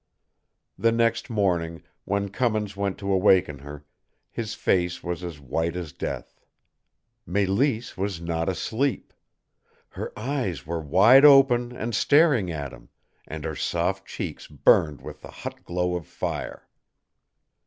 The next morning, when Cummins went to awaken her, his face went as white as death. Mélisse was not asleep. Her eyes were wide open and staring at him, and her soft cheeks burned with the hot glow of fire.